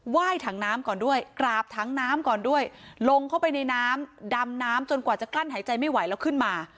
ยถังน้ำก่อนด้วยกราบถังน้ำก่อนด้วยลงเข้าไปในน้ำดำน้ำจนกว่าจะกลั้นหายใจไม่ไหวแล้วขึ้นมา